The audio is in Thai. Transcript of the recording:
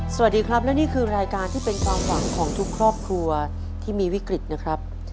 สวัสดีครับและนี่คือรายการที่เป็นความหวังของทุกครอบครัวที่มีวิกฤตนะครับ